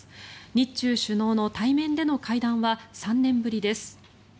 日中首脳の対面での会談は３年ぶりです。